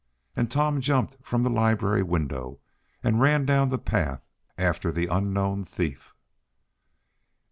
And Tom jumped from the library window and ran down the path after the unknown thief.